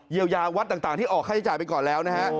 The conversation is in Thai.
เยียวยางวัดต่างที่ออกให้จ่ายไปก่อนแล้วนะฮะ